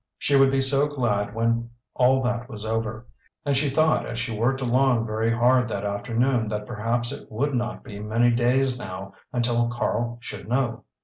She would be so glad when all that was over, and she thought as she worked along very hard that afternoon that perhaps it would not be many days now until Karl should know.